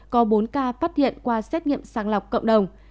có bốn ca phát hiện qua xét nghiệm sàng lọc cộng đồng